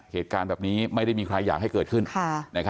เหตุการณ์แบบนี้ไม่ได้มีใครอยากให้เกิดขึ้น